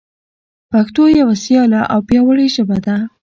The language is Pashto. پښتو یوه سیاله او پیاوړي ژبه ده.